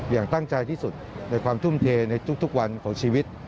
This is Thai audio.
อย่างตั้งใจที่สุดในความทุ่มเทในทุกวันของชีวิต